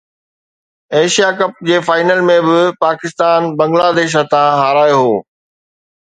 Asia cup جي final ۾ به پاڪستان بنگلاديش هٿان هارايو هو